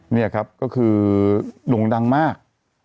นี่ก็คือหลวงดังมาก